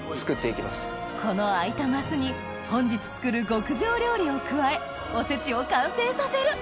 この空いたマスに本日作る極上料理を加えおせちを完成させる